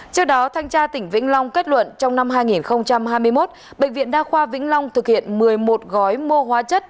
trước đó thanh tra tỉnh vĩnh long kết luận trong năm hai nghìn hai mươi một bệnh viện đa khoa vĩnh long thực hiện một mươi một gói mua hóa chất